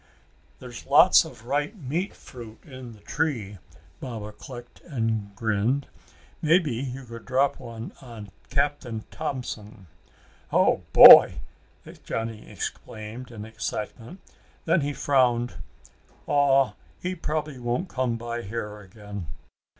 "There's lots of ripe meat fruit in the tree," Baba clicked, and grinned. "Maybe you could drop one on Captain Thompson!" "Oh boy!" Johnny exclaimed in excitement. Then he frowned. "Aw, he probably won't come by here again."